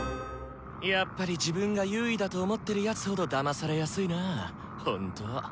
やっぱり自分が優位だと思ってるやつほどだまされやすいなほんと。